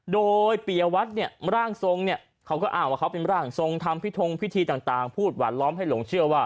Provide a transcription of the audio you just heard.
โดยปียวัตรเนี่ยร่างทรงเนี่ยเขาก็อ้างว่าเขาเป็นร่างทรงทำพิธงพิธีต่างพูดหวานล้อมให้หลงเชื่อว่า